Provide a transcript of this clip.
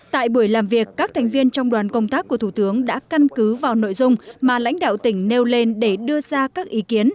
tại buổi làm việc các thành viên trong đoàn công tác của thủ tướng đã căn cứ vào nội dung mà lãnh đạo tỉnh nêu lên để đưa ra các ý kiến